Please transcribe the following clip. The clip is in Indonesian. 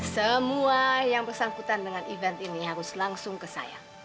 semua yang bersangkutan dengan event ini harus langsung ke saya